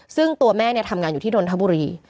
ซึ่งตัวแม่ทำงานอยู่ที่นนทบุรี